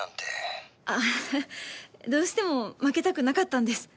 ああどうしても負けたくなかったんです